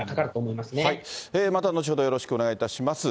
また後ほど、よろしくお願いいたします。